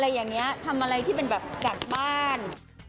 อย่างนี้ทำอะไรที่เป็นแบบกลับบ้าน